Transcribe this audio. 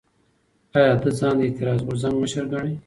ایا ده ځان د اعتراضي غورځنګ مشر ګڼي؟